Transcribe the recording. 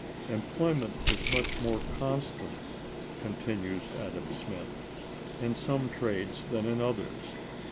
"Employment is much more constant," continues Adam Smith, "in some trades than in others.